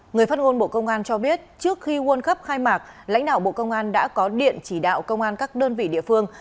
người phát ngôn bộ công an cho biết trước khi world cup khai mạc lãnh đạo bộ công an đã có điện chỉ đạo công an các đơn vị địa phương